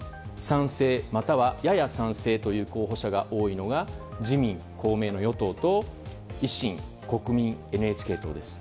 賛成、または、やや賛成という候補者が多いのが自民・公明の与党と維新、国民、ＮＨＫ党です。